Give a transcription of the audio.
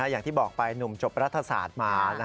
อย่างที่บอกไปหนุ่มจบรัฐศาสตร์มา